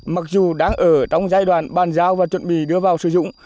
mặc dù đang ở trong giai đoạn bàn giao và chuẩn bị đưa vào sử dụng